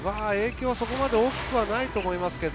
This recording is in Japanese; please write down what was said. そこまで大きくないと思います。